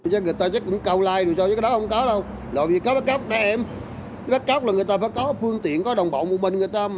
chắc người ta chắc cũng câu like được cho chắc đó không có đâu làm gì có bắt cóc trẻ em bắt cóc là người ta phải có phương tiện có đồng bộ một mình người ta